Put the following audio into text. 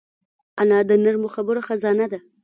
انا د نرمو خبرو خزانه ده